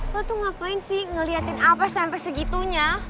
kau tuh ngapain sih ngeliatin apa sampai segitunya